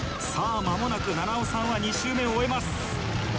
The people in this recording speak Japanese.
さあまもなく菜々緒さんは２周目を終えます。